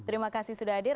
terima kasih sudah hadir